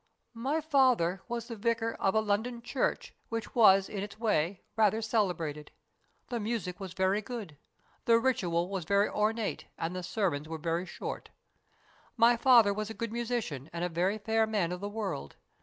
" My father was the vicar ot a London church which was in its way rather celebrated. The music was very good. The ritual was very ornate, and the sermons were very short. My father was a good musician and a very fair man of the world.